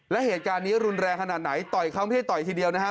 และเหตุการณ์นี้รุนแรงขนาดไหนต่อยเขาไม่ได้ต่อยทีเดียวนะฮะ